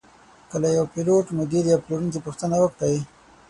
که له یوه پیلوټ، مدیر یا پلورونکي پوښتنه وکړئ.